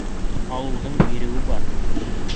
Алыуҙың биреүе бар.